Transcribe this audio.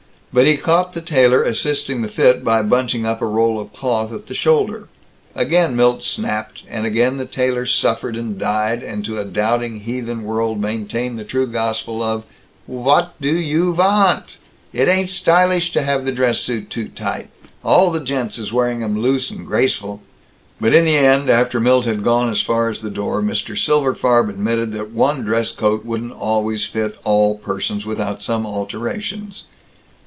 But he caught the tailor assisting the fit by bunching up a roll of cloth at the shoulder. Again Milt snapped, and again the tailor suffered and died, and to a doubting heathen world maintained the true gospel of "What do you vannnnt? It ain't stylish to have the dress suit too tight! All the gents is wearing 'em loose and graceful." But in the end, after Milt had gone as far as the door, Mr. Silberfarb admitted that one dress coat wouldn't always fit all persons without some alterations.